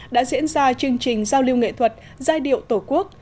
đã diễn ra chương trình giao lưu nghệ thuật giai điệu tổ quốc